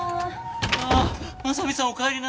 ああ真実さんおかえりなさい。